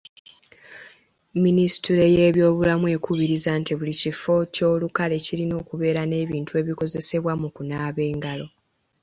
Minisitule y'ebyobulamu ekubiriza nti buli kifo ky'olukale kirina okubeera n'ebintu ebikozesebwa mu kunaaba engalo.